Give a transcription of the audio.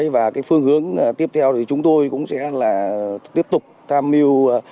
và cái phương hướng tiếp theo thì chúng tôi cũng sẽ là tiếp tục tham mưu